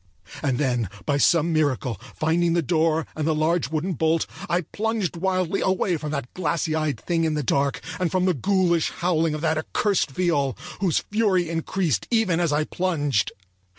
And then, by some miracle, finding the door and the large wooden bolt, I plunged wildly away from that glassy eyed thing in the dark, and from the ghoulish howling of that accursed viol whose fury increased even as I plunged.